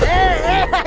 pecuk dung prap